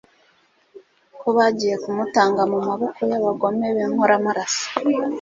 ko bagiye kumutanga mu maboko y'abagome b'inkoramaraso,